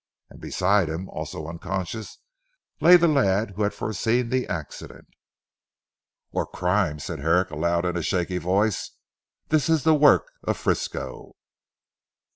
And beside him, also unconscious, lay the lad who had foreseen the accident. "Or crime," said Herrick aloud in a shaky voice, "this is the work of Frisco."